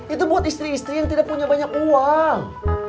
itu buat istri istri yang tidak punya banyak uang